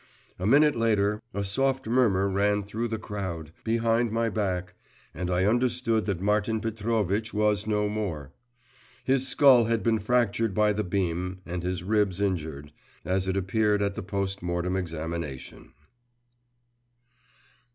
A minute later a soft murmur ran through the crowd, behind my back, and I understood that Martin Petrovitch was no more. His skull had been fractured by the beam and his ribs injured, as it appeared at the post mortem examination.